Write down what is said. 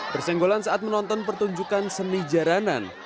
bersenggolan saat menonton pertunjukan seni jaranan